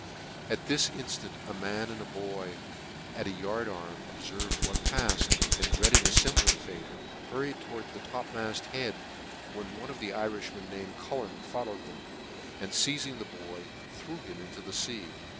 At this in ftant a man and a boy at the yard arm ob fcrved what pail, and dreading a limilar fate, hurried toward the topmaft head, when one of tne Irifhmcn, named Cullen, followed them, and feizing the boy, threw him into the fea.